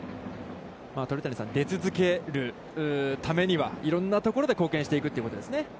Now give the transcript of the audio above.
鳥谷さん、出続けるためには、いろんなところで貢献していくということですね。